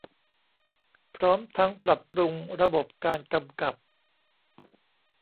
พร้อมทั้งปรับปรุงระบบการกำกับ